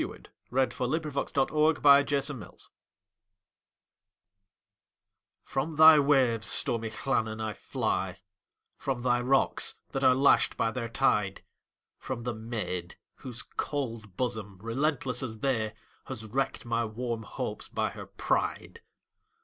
Wales: Llannon Song By Anna Seward (1747–1809) FROM thy waves, stormy Llannon, I fly; From thy rocks, that are lashed by their tide; From the maid whose cold bosom, relentless as they, Has wrecked my warm hopes by her pride!